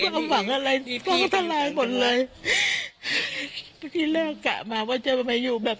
รับหวังอะไรต้องทะลาหมดเลยพอทีแรกกะมาว่าจะมาอยู่แบบ